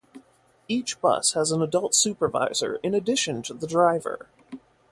Each bus has an adult supervisor in addition to the driver.